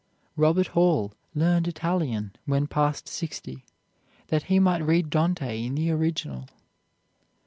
Robert Hall learned Italian when past sixty, that he might read Dante in the original.